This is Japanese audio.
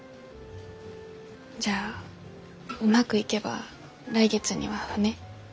じゃあうまくいけば来月には船。